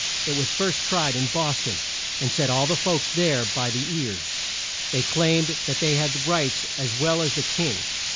It was first tried in Bos ton, and set all the folks there by the ears. They claimed that they had rights as well as the king.